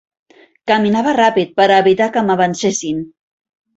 Caminava ràpid per a evitar que m'avancessin.